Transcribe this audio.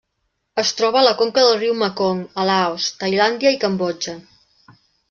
Es troba a la conca del riu Mekong a Laos, Tailàndia i Cambodja.